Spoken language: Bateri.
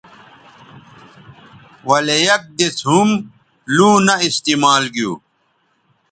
ولے یک دِس ھم لوں نہ استعمال گیو